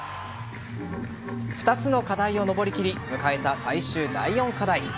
２つの課題を登りきり迎えた最終第４課題。